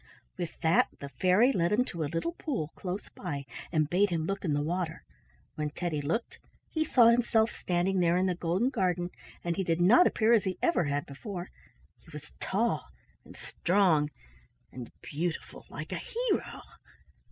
With that the fairy led him to a little pool close by, and bade him look in the water. When Teddy looked, he saw himself standing there in the golden garden, and he did not appear as he ever had before. He was tall and strong and beautiful, like a hero.